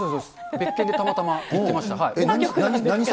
別件でたまたま行ってました。